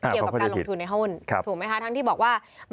เกี่ยวกับการลงทุนในหุ้นถูกไหมคะทั้งที่บอกว่า